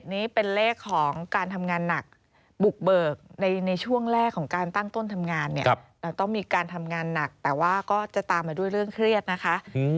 นี่เป็นเลขของการทำงานหนักบุกเบิกในช่วงแรกของการตั้งต้นทำงานเนี่ยเราต้องมีการทำงานหนักแต่ว่าก็จะตามมาด้วยเรื่องเครียดนะคะ